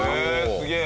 すげえ！